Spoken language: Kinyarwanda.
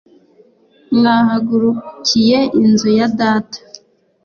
mwahagurukiye inzu ya data